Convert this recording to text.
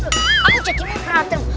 aku jadi berantem